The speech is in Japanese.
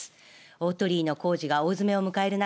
大鳥居の工事が大詰めを迎える中